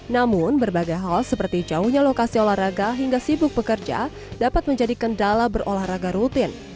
namun berbagai hal seperti jauhnya lokasi olahraga hingga sibuk bekerja dapat menjadi kendala berolahraga rutin